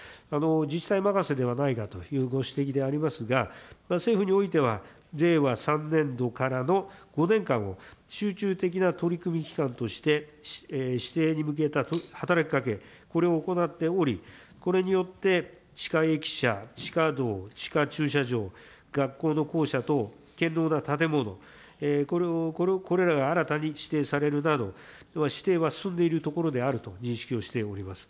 自治体任せではないかというご指摘でありますが、政府においては、令和３年度からの５年間を、集中的な取り組み期間として、指定に向けた働きかけ、これを行っており、これによって、地下駅舎、地下道、地下駐車場、学校の校舎等、堅ろうな建物、これらが新たに指定されるなど、指定は進んでいるところであると、認識をしております。